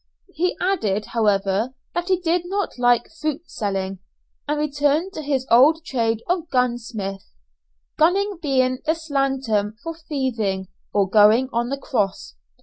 He added, however, that he did not like fruit selling, and returned to his old trade of "gunsmith," gunning being the slang term for thieving, or going on the cross.